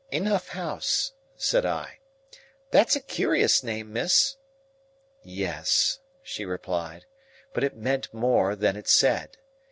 "Enough House," said I; "that's a curious name, miss." "Yes," she replied; "but it meant more than it said.